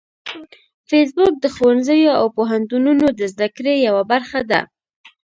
فېسبوک د ښوونځیو او پوهنتونونو د زده کړې یوه برخه ده